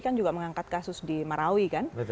kan juga mengangkat kasus di marawi kan